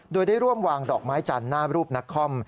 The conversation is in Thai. โดยได้ร่วมวางดอกไม้จันทร์หน้ารูปนักคอม